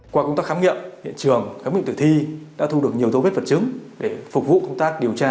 qua công tác khám nghiệm hiện trường khám bệnh tử thi đã thu được nhiều dấu vết vật chứng để phục vụ công tác điều tra